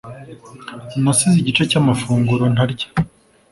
nasize igice cyamafunguro ntarya